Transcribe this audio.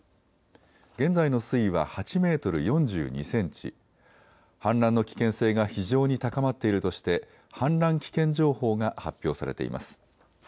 現在の水位は８メートル４２センチ、氾濫の危険性が非常に高まっているとして氾濫危険情報が発表されています。